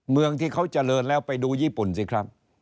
เมืองที่เขาเจริญแล้วไปดูญี่ปุ่นสิครับ